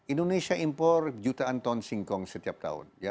indonesia impor jutaan ton singkong setiap tahun